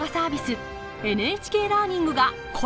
ＮＨＫラーニングがコラボ！